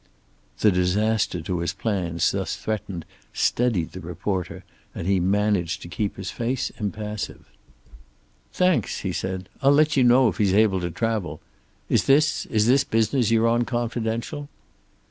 The disaster to his plans thus threatened steadied the reporter, and he managed to keep his face impassive. "Thanks," he said. "I'll let you know if he's able to travel. Is this is this business you're on confidential?"